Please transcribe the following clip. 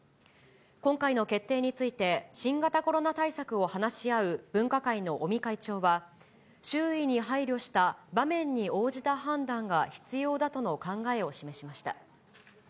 今回の決定について、新型コロナ対策を話し合う分科会の尾身会長は、周囲に配慮した場面に応じた判断が必要だとの考えを示しました。